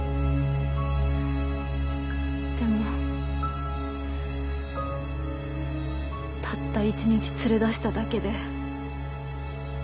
でもたった一日連れ出しただけで。